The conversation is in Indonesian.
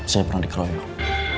saya pernah dikeroyok